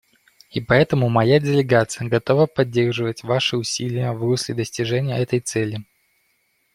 И поэтому моя делегация готова поддерживать ваши усилия в русле достижения этой цели.